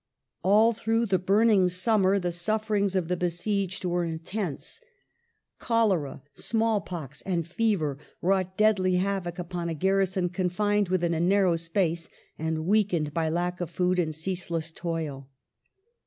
All through the burn ing summer the sufferings of the besieged were intense : cholera, smallpox, and fever wrought deadly havoc upon a garrison confined within a narrow space and weakened by lack of food and ceaseless toil.